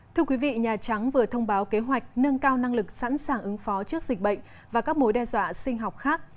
thưa quý vị nhà trắng vừa thông báo kế hoạch nâng cao năng lực sẵn sàng ứng phó trước dịch bệnh và các mối đe dọa sinh học khác